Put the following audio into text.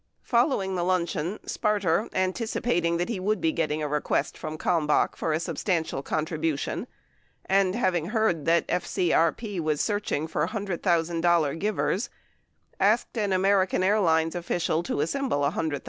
Following the lunch eon, Sparter, anticipating that he would be getting a request from Kalmbach for a substantial contribution and having heard that FCRP was "searching for $100,000 givers," asked an American Airlines of ficial to assemble $100, 000.